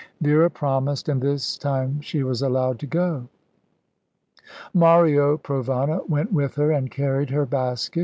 Vera promised, and this time she was allowed to go. Mario Provana went with her, and carried her basket.